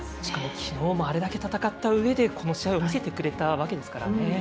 きのうもあれだけ戦ったうえでこの試合を見せてくれたわけですからね。